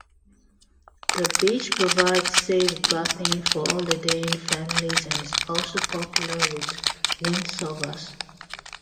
The beach provides safe bathing for holidaying families and is also popular with windsurfers.